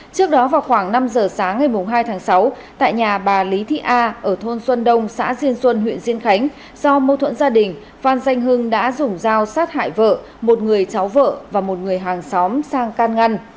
trước đó vào khoảng năm giờ sáng ngày hai tháng sáu tại nhà bà lý thị a ở thôn xuân đông xã diên xuân huyện diên khánh do mâu thuẫn gia đình phan danh hưng đã dùng dao sát hại vợ một người cháu vợ và một người hàng xóm sang can ngăn